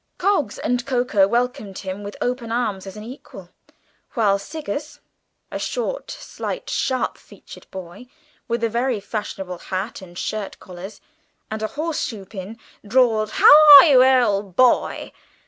Coggs and Coker welcomed him with open arms as an equal, while Siggers, a short, slight, sharp featured boy, with a very fashionable hat and shirt collars, and a horse shoe pin, drawled, "How are you, old boy?"